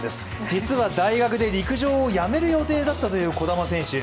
実は大学で陸上をやめる予定だったという児玉選手。